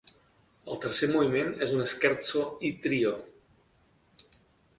El tercer moviment és un scherzo i trio.